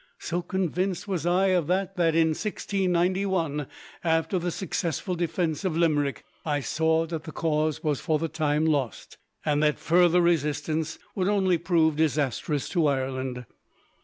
So convinced was I of this that, in 1691, after the successful defence of Limerick, I saw that the cause was for the time lost, and that further resistance would only prove disastrous to Ireland.